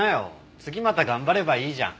次また頑張ればいいじゃん。